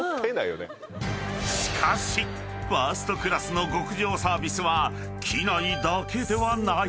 ［しかしファーストクラスの極上サービスは機内だけではない］